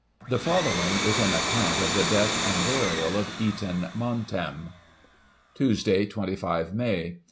313 The following is an account of the death and burial of Eton " Montem ": "Tuesday, 25 May.